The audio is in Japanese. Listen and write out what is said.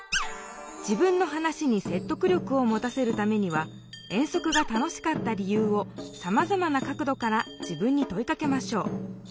自分の話に説得力をもたせるためには遠足が楽しかった理由をさまざまな角どから自分にといかけましょう。